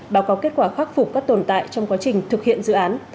báo cáo kết quả khắc phục các tồn tại trong quá trình thực hiện dự án